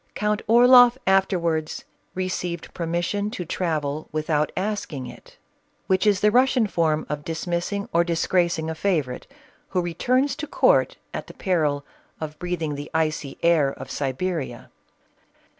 Count Orloff afterwards received permission to travel, without asking it, which is the Russian fbrrn of dismiss ing or disgracing a favorite, who returns to court at the peril of breathing the icy air of Siberia.